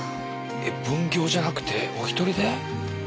え分業じゃなくてお一人で？